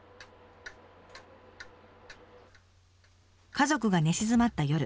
家族が寝静まった夜。